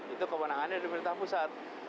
itu kemenangannya dari pemerintah pusat